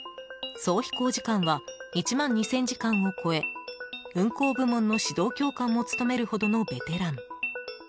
総飛行時間は１万２０００時間を超え運航部門の指導教官も務めるほどのベテラン。